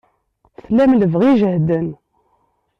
Tlam lebɣi ijehden.